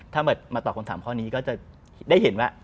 ถ้ามาตอบคำถามข้อนี้ก็จะได้เห็นว่า